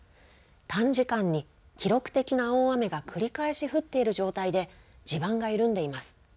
短時間に記録的な大雨が繰り返し降っている状態で地盤が緩んでいます。